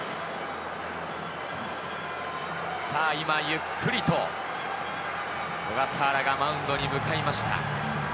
さぁ、今ゆっくりと小笠原がマウンドに向かいました。